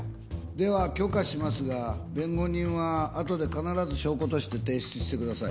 では許可しますが弁護人はあとで必ず証拠として提出してください